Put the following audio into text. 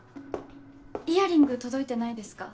・イヤリング届いてないですか？